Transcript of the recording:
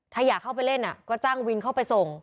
ถ้าอยากเข้าไปเล่นก็จ้างวินเข้าไปส่ง